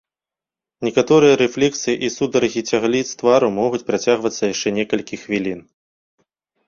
Некаторыя рэфлексы і сутаргі цягліц твару могуць працягвацца яшчэ некалькі хвілін.